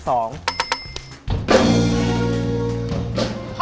โอเค